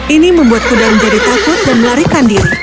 ini membuat kuda menjadi takut dan melarikan diri